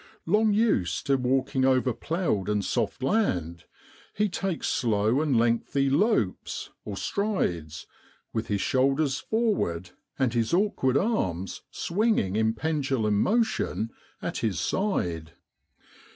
Long used to walking over ploughed and soft land, he takes slow and lengthy lopes (strides), with his shoulders forward and his awkward arms swinging in pendulum motion at A DRAINAGE PUMP. his side.